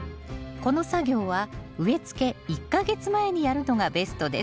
この作業は植えつけ１か月前にやるのがベストです。